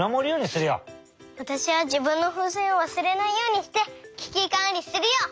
わたしはじぶんのふうせんをわすれないようにしてききかんりするよ！